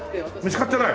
見つかってない！？